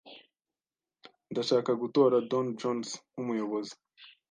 Ndashaka gutora Don Jones nk'umuyobozi.